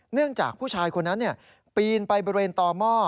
จากผู้ชายคนนั้นปีนไปบริเวณต่อหม้อ